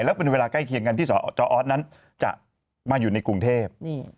แล้วเป็นเวลาใกล้เคียงกันที่จออสนั้นจะมาอยู่ในกรุงเทพ